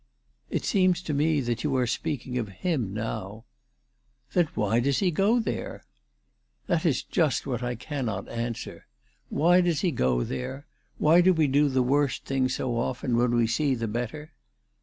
7 "It seems to me that you are speaking of him now." " Then why does he go there ?"" That is just what I cannot answer. Why does he go there ? Why do we do the worst thing so often, when we see the better